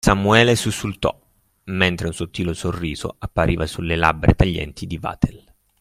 Samuele sussultò, mentre un sottile sorriso appariva sulle labbra taglienti di Vatel.